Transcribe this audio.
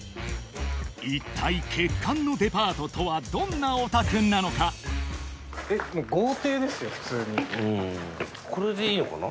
一体欠陥のデパートとはどんなお宅なのか普通にこれでいいのかな？